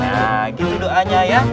nah gitu doanya ya